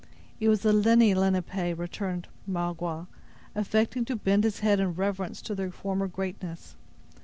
"It was the Lenni Lenape," returned Magua, affecting to bend his head in reverence to their former greatness.